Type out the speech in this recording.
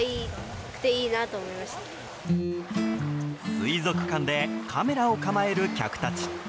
水族館でカメラを構える客たち。